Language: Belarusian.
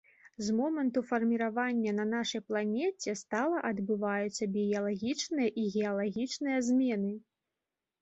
З моманту фарміравання на нашай планеце стала адбываюцца біялагічныя і геалагічныя змены.